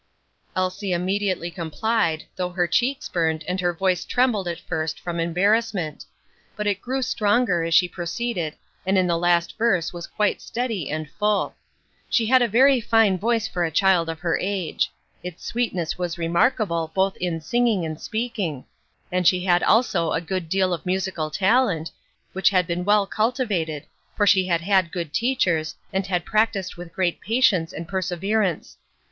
Elsie immediately complied, though her cheeks burned, and her voice trembled at first from embarrassment; but it grew stronger as she proceeded and in the last verse was quite steady and full. She had a very fine voice for a child of her age; its sweetness was remarkable both in singing and speaking; and she had also a good deal of musical talent, which had been well cultivated, for she had had good teachers, and had practised with great patience and perseverance.